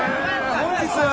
本日は。